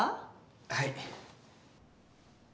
はい。